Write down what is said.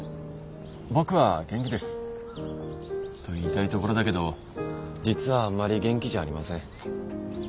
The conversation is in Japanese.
僕は元気です。と言いたいところだけど実はあんまり元気じゃありません。